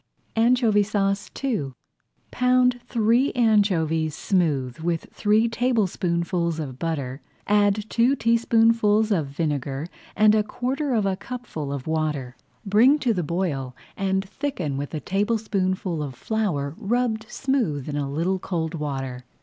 ANCHOVY SAUCE II Pound three anchovies smooth with three tablespoonfuls of butter, add two teaspoonfuls of vinegar and a quarter of a cupful of water. Bring to the boil and thicken with a tablespoonful of flour rubbed smooth in a little cold water.